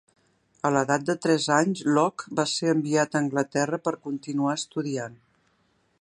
A l'edat de tres anys, Locke va ser enviat a Anglaterra per continuar estudiant.